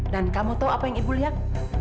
kamu tahu apa yang ibu lihat